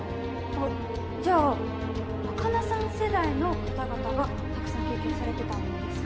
あっじゃあ若菜さん世代の方々がたくさん経験されてたんですかね？